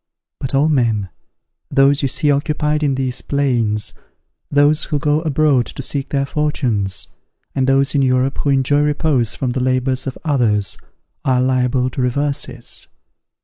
But all men, those you see occupied in these plains, those who go abroad to seek their fortunes, and those in Europe who enjoy repose from the labours of others, are liable to reverses!